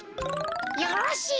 よろしい。